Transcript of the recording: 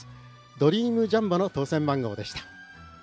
ドリームジャンボの当せん番号でした。